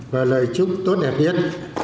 và lời chúc tốt đẹp nhất